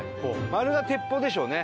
丸が鉄砲でしょうね。